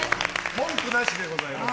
文句なしでございます。